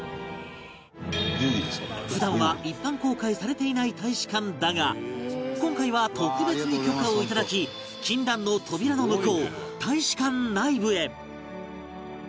普段は一般公開されていない大使館だが今回は特別に許可をいただき禁断の扉の向こう大使館内部へ